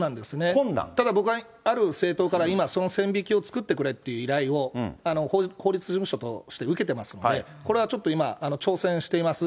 僕はただ、あるいは政党から、今、その線引きを作ってくれという依頼を、法律事務所として受けていますので、これは今、ちょっと挑戦しています。